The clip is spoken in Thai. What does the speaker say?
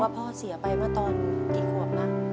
พ่อเสียไปเมื่อตอนกี่ครบนะ